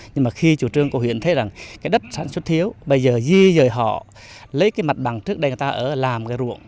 nhưng mà khi chủ trương của huyện thấy rằng cái đất sản xuất thiếu bây giờ di rời họ lấy cái mặt bằng trước đây người ta ở làm cái ruộng